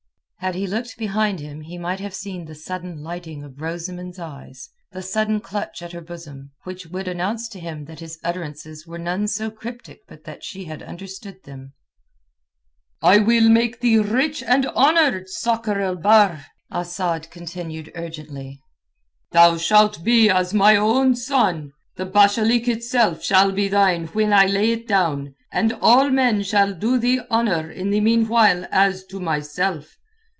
Had he looked behind him he might have seen the sudden lighting of Rosamund's eyes, the sudden clutch at her bosom, which would have announced to him that his utterances were none so cryptic but that she had understood them. "I will make thee rich and honoured, Sakr el Bahr," Asad continued urgently. "Thou shalt be as mine own son. The Bashalik itself shall be thine when I lay it down, and all men shall do thee honour in the meanwhile as to myself."